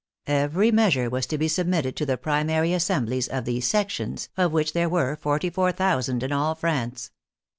Every measure was to be submitted to the primary as semblies of the " sections," of which there were forty four thousand in all France.